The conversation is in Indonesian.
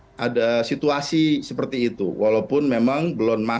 karena tampaknya memang ada situasi seperti itu walaupun memang belum masuk